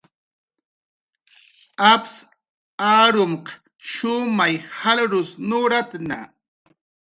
Apsaq armaq shumay jalrus nuratna